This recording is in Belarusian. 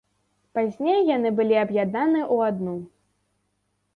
Пазней яны былі аб'яднаны ў адну.